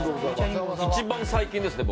「一番最近ですね